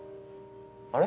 あれ？